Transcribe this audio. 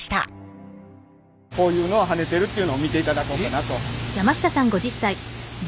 こういうのをはねてるっていうのを見ていただこうかなと。